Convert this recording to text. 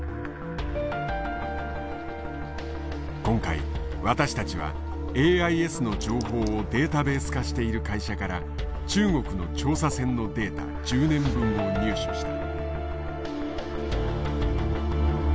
今回私たちはＡＩＳの情報をデータベース化している会社から中国の調査船のデータ１０年分を入手した。